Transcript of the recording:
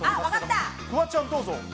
フワちゃん、どうぞ。